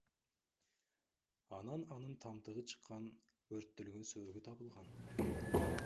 Анан анын тамтыгы чыккан, өрттөлгөн сөөгү табылган.